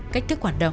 cách thức hoạt động